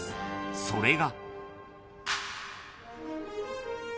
［それが］